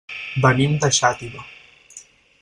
Venim de Xàtiva.